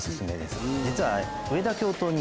実は。